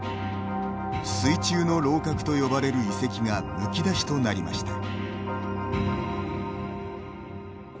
水中の楼閣と呼ばれる遺跡がむき出しとなりました。